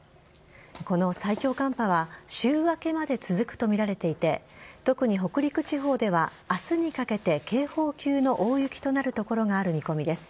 この最強寒波は週明けまで続くとみられていて特に北陸地方では明日にかけて、警報級の大雪となる所がある見込みです。